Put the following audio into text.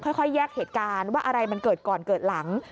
ค่อยแยกเหตุการณ์ว่าอะไรมันเกิดก่อนเกิดหลัง